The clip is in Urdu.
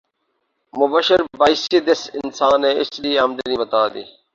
مبشر بھائی سیدھے انسان ہے اس لیے امدنی بتا دی